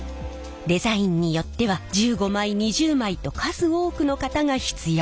デザインによっては１５枚２０枚と数多くの型が必要。